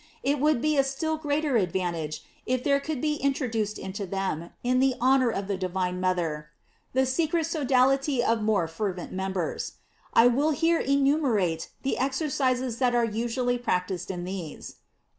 It would be a still greater advantage if there could be introduced into them, in honor of the divine mother, the secret sodality of more fer vent members. I will here enumerate the ex ercises that are usually practised in these.